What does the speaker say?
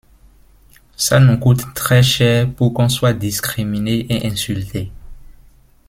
Ça nous coûte très cher pour qu’on soit discriminés et insultés.